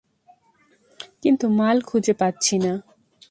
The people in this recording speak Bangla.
কিন্তু মাল খুঁজে পাচ্ছি না।